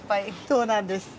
そうなんです。